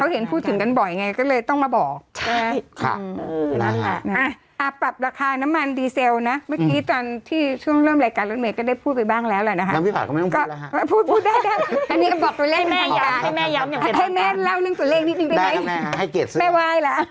เขาเห็นพูดถึงกันบ่อยไงก็เลยต้องมาบอกอ่าปรับราคาน้ำมันดีเซลนะเมื่อกี้ตอนที่ช่วงเริ่มรายการรถเมฆก็ได้พูดไปบ้างแล้วแล้วนะคะ